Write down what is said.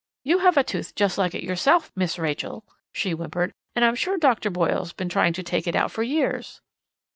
"You have a tooth just like it yourself, Miss Rachel," she whimpered. "And I'm sure Doctor Boyle's been trying to take it out for years."